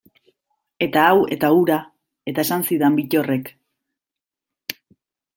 Eta hau eta hura, eta esan zidan Bittorrek.